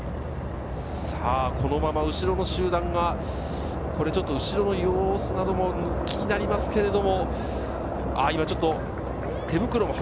このまま後ろの集団が、これちょっと後ろの様子なども気になりますけれども、